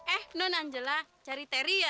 eh nun anjela cari teri ya